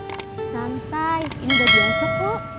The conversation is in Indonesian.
jak santai ini udah di masuk bu